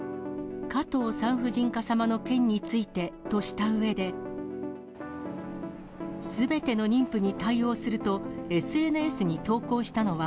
加藤産婦人科様の件についてとしたうえで。すべての妊婦に対応すると、ＳＮＳに投稿したのは、